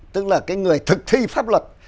tức là cái người thực thi pháp luật